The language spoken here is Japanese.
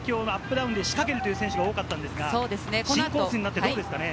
ダウンで仕掛けるという選手が多かったんですが、新コース、いかがですかね？